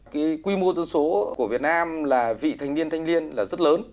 cái quy mô dân số của việt nam là vị thanh niên thanh niên là rất lớn